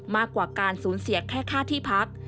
มากกว่าการสูญเสียแค่ค่าที่พัก